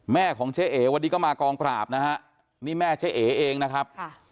แม่ของเจ๊เอ๋วันนี้ก็มากองปราบนะฮะนี่แม่เจ๊เอเองนะครับ